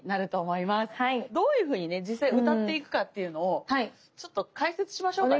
どういうふうにね実際歌っていくかっていうのをちょっと解説しましょうかね。